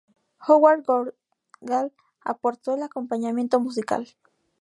Howard Goodall aportó el acompañamiento musical.